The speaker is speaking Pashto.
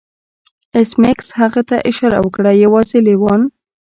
ایس میکس هغه ته اشاره وکړه یوازې لیوان